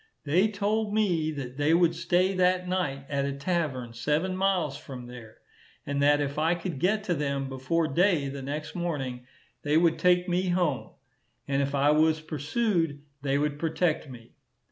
They told me that they would stay that night at a tavern seven miles from there, and that if I could get to them before day the next morning, they would take me home; and if I was pursued, they would protect me.